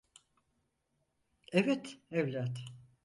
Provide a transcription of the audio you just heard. Evet, evlat.